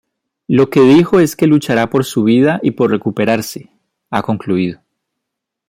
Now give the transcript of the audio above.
Lo que dijo es que luchará por su vida y por recuperarse", ha concluido.